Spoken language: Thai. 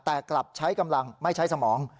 แต่กลับใช้กำลังไม่ใช้สมอง